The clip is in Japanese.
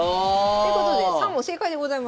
ということで３問正解でございます。